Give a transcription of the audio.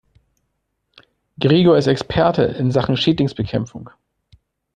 Gregor ist Experte in Sachen Schädlingsbekämpfung.